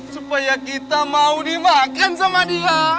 supaya kita mau dimakan sama dia